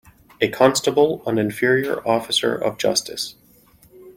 A constable an inferior officer of justice.